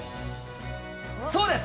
そうです。